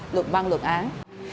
luật băng luật án